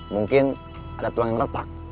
mungkin ada tulang yang retak